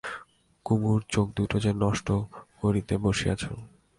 কুমুর চোখ দুটো যে নষ্ট করিতে বসিয়াছ।